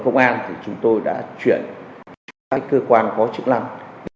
lực lượng công an thì chúng tôi đã chuyển cho các cơ quan có chức lăng